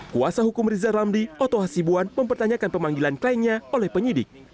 kuasa hukum rizal ramli oto hasibuan mempertanyakan pemanggilan kliennya oleh penyidik